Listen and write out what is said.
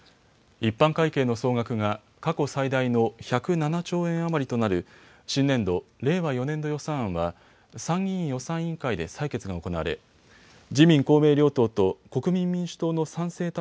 一般会計の総額が過去最大の１０７兆円余りとなる新年度、令和４年度予算案は参議院予算委員会で採決が行われ自民公明両党と国民民主党の賛成